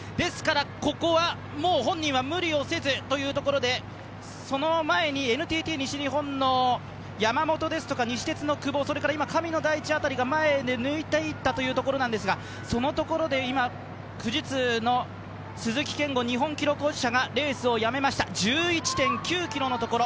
ですから、ここはもう本人は無理をせずというところで、その前にＮＴＴ西日本の山本や西鉄の久保、そして今神野大地辺りが前で抜いていったというところなんですがそのところで今、富士通の鈴木健吾、日本記録保持者がレースをやめました、１１．９ｋｍのところ。